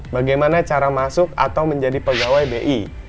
bagaimana cara masuk atau menjadi pegawai bi